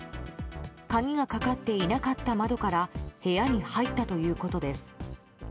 鍵がかかっていなかった窓から部屋に入ったということです。